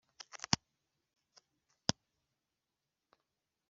Isuzumamikorere ry imishinga na Gahunda